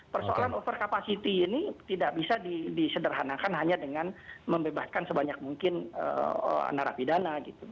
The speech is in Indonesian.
persoalan over capacity ini tidak bisa disederhanakan hanya dengan membebaskan sebanyak mungkin narapidana gitu